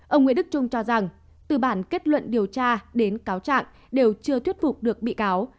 ông nguyễn đức trung cho rằng từ bản kết luận điều tra đến cáo trạng đều chưa thuyết phục được bị cáo